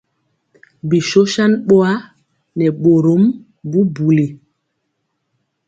Bi shoshan bɔa nɛ bɔrmɔm bubuli.